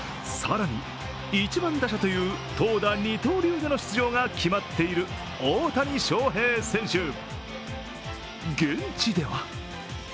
更に、１番打者という投打二刀流での出場が決まっている大谷翔平選手。